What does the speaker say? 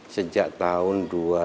sejak tahun dua ribu